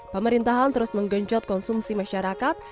pemerintahan terus menggencot konsumsi masyarakat